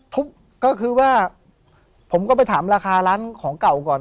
ทุบก็คือว่าผมก็ไปถามราคาร้านของเก่าก่อน